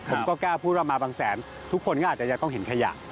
ผมก็กล้าพูดว่ามาบางแสนทุกคนก็อาจจะต้องเห็นขยะ